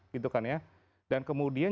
gitu kan ya dan kemudian